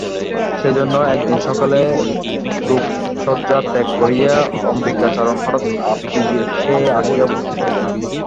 সেইজন্য একদিন সকালে রোগশয্যা ত্যাগ করিয়া অম্বিকাচরণ হঠাৎ আপিসে আসিয়া উপস্থিত হইলেন।